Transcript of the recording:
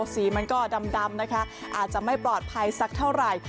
สีมันก็ดำนะคะอาจจะไม่ปลอดภัยสักเท่าไหร่